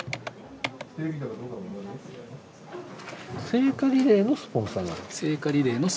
聖火リレーのスポンサーなの？